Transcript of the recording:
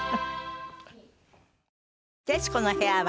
『徹子の部屋』は